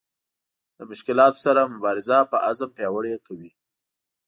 له مشکلاتو سره مبارزه په عزم پیاوړې کوي.